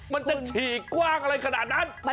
มันจะฉีกกว้างอะไรขนาดนั้น